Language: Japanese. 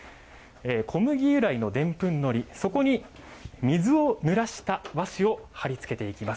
小麦由来のでんぷんのり、そこに水をぬらした和紙を貼り付けていきます。